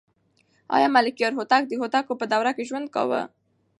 آیا ملکیار هوتک د هوتکو په دوره کې ژوند کاوه؟